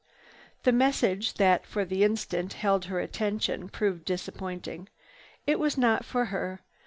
The message that for the instant held her attention proved disappointing. It was not for her.